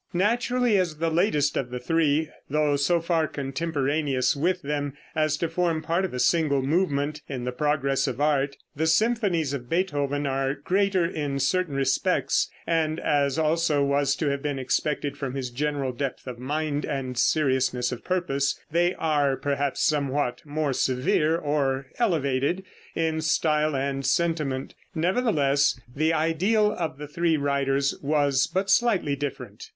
Naturally, as the latest of the three, though so far contemporaneous with them as to form part of a single moment in the progress of art, the symphonies of Beethoven are greater in certain respects, and, as also was to have been expected from his general depth of mind and seriousness of purpose, they are perhaps somewhat more severe or elevated in style and sentiment. Nevertheless, the ideal of the three writers was but slightly different.